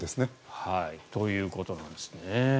ということなんですね。